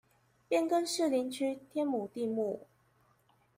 變更士林區天母地目